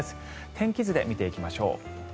天気図で見ていきましょう。